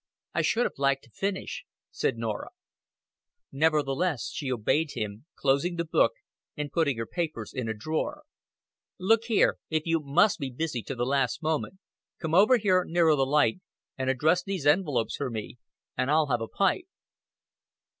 "I should have liked to finish," said Norah. Nevertheless she obeyed him, closing the book and putting her papers in a drawer. "Look here, if you must be busy to the last moment, come over here nearer the light and address these envelopes for me and I'll have a pipe."